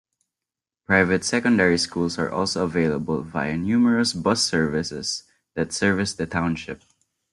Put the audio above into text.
Private secondary schools are also available via numerous bus services that service the township.